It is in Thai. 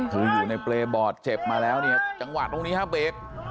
คืออยู่ในเปรย์บอร์ดเจ็บมาแล้วเนี่ยจังหวะตรงนี้ฮะเบรก